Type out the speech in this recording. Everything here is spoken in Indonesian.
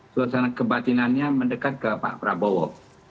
suasana kebatinannya mendekat ke pak prabowo